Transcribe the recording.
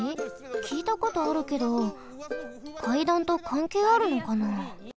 きいたことあるけどかいだんとかんけいあるのかな？